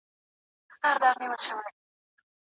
چي په هر ځای کي په هر کار کي چي یې مخته به ځې